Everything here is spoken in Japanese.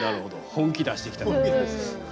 本気出してきたと。